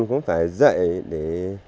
cũng phải dậy để